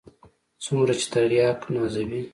څومره چې ترياک نازوي.